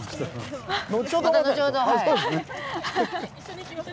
・一緒に行きます。